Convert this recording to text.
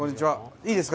いいですか？